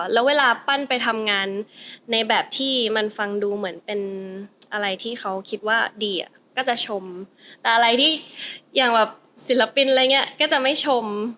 แล้วเวลาปั้นไปทำงานในแบบที่มันฟังดูเหมือนเป็นอะไรที่เขาคิดว่าดีอ่ะก็จะชมแต่อะไรที่อย่างแบบศิลปินอะไรอย่างนี้ก็จะไม่ชม